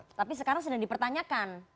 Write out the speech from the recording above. tapi sekarang sudah dipertanyakan